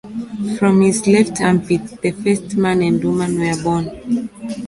From his left armpit, the first man and woman were born.